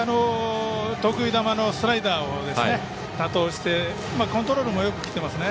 得意球のスライダーを多投してコントロールもよくきていますね。